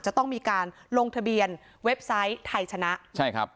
จะต้องมีการลงทะเบียนเว็บไซต์ไทยชนะใช่ครับ